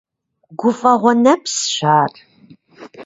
Гуфӏэгъу нэпсщ ар.